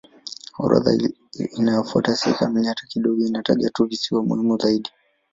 Orodha inayofuata si kamili hata kidogo; inataja tu visiwa muhimu zaidi.